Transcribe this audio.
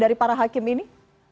dari para hakim ini